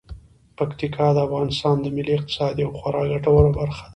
پکتیکا د افغانستان د ملي اقتصاد یوه خورا ګټوره برخه ده.